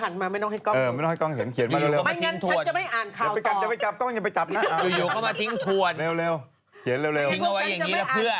เที่ยงไว้เพื่อ